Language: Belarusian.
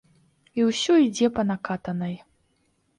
І ўсё ідзе па накатанай.